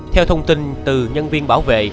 theo thông tin từ nhân viên bảo vệ